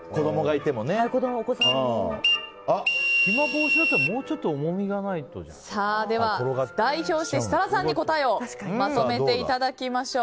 隙間防止ならもうちょっと重みがないと。では代表して設楽さんに答えをまとめていただきましょう。